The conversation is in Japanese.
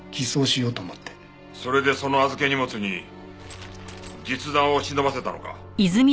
それでその預け荷物に実弾を忍ばせたのか？